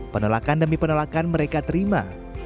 penolakan demi penolakan mereka terima